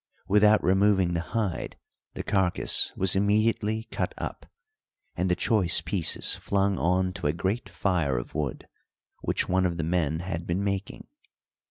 Without removing the hide, the carcass was immediately cut up, and the choice pieces flung on to a great fire of wood, which one of the men had been making.